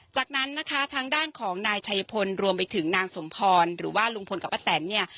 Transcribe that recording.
จากนั้นนะคะทางด้านของนายชัยพลรวมไปถึงนางสมพรหรือว่าลุงพลกับป้าแตนเนี่ย